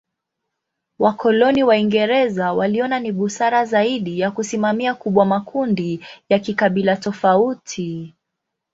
Wakoloni Waingereza waliona ni busara zaidi ya kusimamia kubwa makundi ya kikabila tofauti.